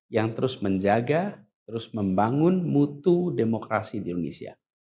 yang terus menjaga terus membangun mutu demokrasi di indonesia